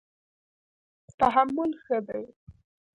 تحمل ښه دی.